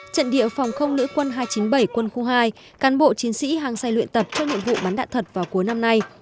trận địa phòng không nữ quân hai trăm chín mươi bảy quân khu hai cán bộ chiến sĩ hăng say luyện tập cho nhiệm vụ bắn đạn thật vào cuối năm nay